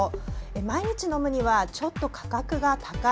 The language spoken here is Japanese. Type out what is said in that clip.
毎日飲むにはちょっと価格が高い。